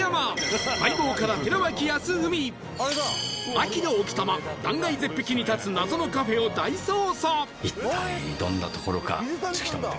秋の奥多摩断崖絶壁に立つ謎のカフェを大捜査